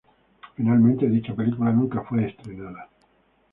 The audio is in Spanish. Finalmente dicha película nunca fue estrenada.